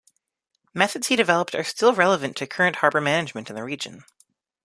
Methods he developed are still relevant to current harbor management in the region.